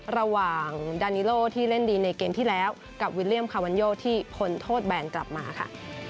ดานิโลที่เล่นดีในเกมที่แล้วกับวิลเลี่ยมคาวันโยที่พ้นโทษแบนกลับมาค่ะ